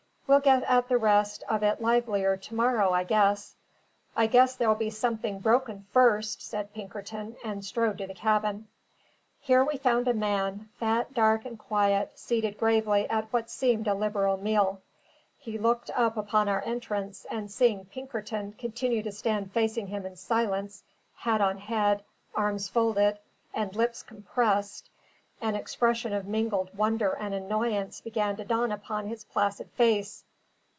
We'll get at the rest of it livelier to morrow, I guess." "I guess there'll be something broken first," said Pinkerton, and strode to the cabin. Here we found a man, fat, dark, and quiet, seated gravely at what seemed a liberal meal. He looked up upon our entrance; and seeing Pinkerton continue to stand facing him in silence, hat on head, arms folded, and lips compressed, an expression of mingled wonder and annoyance began to dawn upon his placid face.